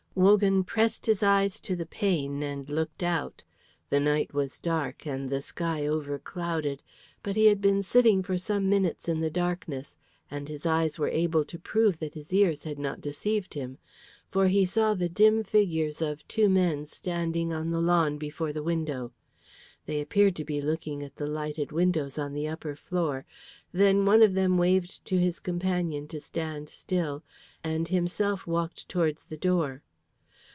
Wogan pressed his eyes to the pane and looked out. The night was dark, and the sky overclouded. But he had been sitting for some minutes in the darkness, and his eyes were able to prove that his ears had not deceived him. For he saw the dim figures of two men standing on the lawn before the window. They appeared to be looking at the lighted windows on the upper floor, then one of them waved to his companion to stand still, and himself walked towards the door.